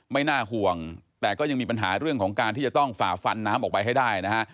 ไม่น่าห่วงแต่ก็ยังมีปัญหาเรื่องของการที่จะต้องฝ่าฟันน้ำออกไปให้ได้นะฮะ